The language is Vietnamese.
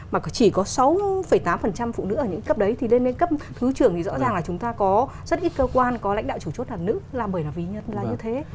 mà chỉ có sáu tám phụ nữ ở những cấp đấy thì lên đến cấp thứ trưởng thì rõ ràng là chúng ta có rất ít cơ quan có lãnh đạo chủ chốt là nữ làm bởi là ví là như thế